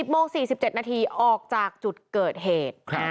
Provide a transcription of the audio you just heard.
โมง๔๗นาทีออกจากจุดเกิดเหตุ